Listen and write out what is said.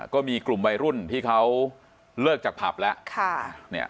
ก็มีกลุ่มวัยรุ่นที่เขาเลิกจากผับและค่ะเนี่ย